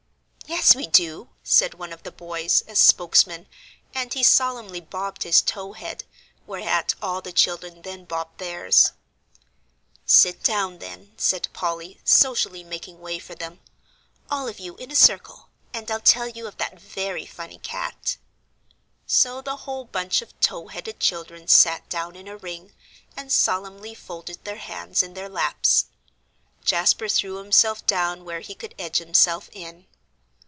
"Yes, we do," said one of the boys, as spokesman, and he solemnly bobbed his tow head, whereat all the children then bobbed theirs. "Sit down, then," said Polly, socially making way for them, "all of you in a circle, and I'll tell you of that very funny cat." So the whole bunch of tow headed children sat down in a ring, and solemnly folded their hands in their laps. Jasper threw himself down where he could edge himself in.